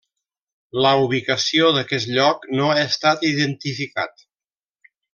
La ubicació d'aquest lloc no ha estat identificat.